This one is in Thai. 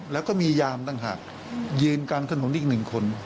แล้วก็มียามต่างหากยืนกลางถนนอีกหนึ่งคน